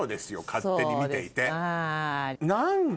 勝手に見ていて。